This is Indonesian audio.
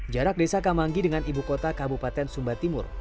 jarak desa kamangi dengan ibukota kabupaten sumba timur